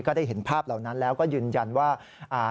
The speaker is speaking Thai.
ได้เห็นภาพเหล่านั้นแล้วก็ยืนยันว่า